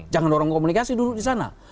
jangan dorong komunikasi duduk di sana